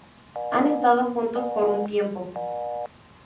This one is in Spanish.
Han estado juntos por un tiempo.